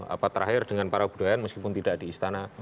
apa terakhir dengan para budaya meskipun tidak di istana